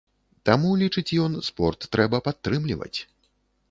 Таму, лічыць ён, спорт трэба падтрымліваць.